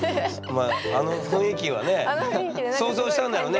まああの雰囲気はねえ想像したんだろうね。